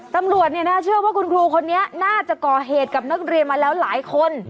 ตำรวจเชื่อว่าคุณครูคนนี้น่าจะก่อเหตุกับนักเรียนมาแล้วหลายคน